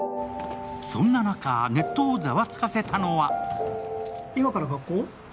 そんな中、ネットをザワつかせたのは今から学校？